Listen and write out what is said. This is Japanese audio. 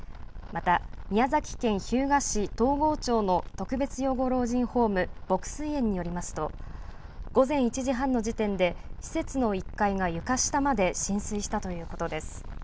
また宮崎県日向市東郷町の特別養護老人ホーム牧水園によりますと午前１時半の時点で施設の１階が床下まで浸水したということです。